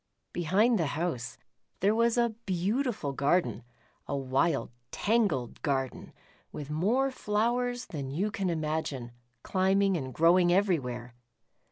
Behind the house there was a beautiful garden, a wild tangled garden, with more flowers than you can imagine, climbing and growing everywhere.